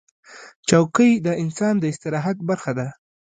چوکۍ د انسان د استراحت برخه ده.